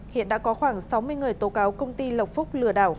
hiện đã có khoảng sáu mươi người tố cáo công ty lộc phúc lừa đảo